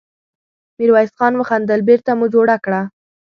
ميرويس خان وخندل: بېرته مو جوړه کړه!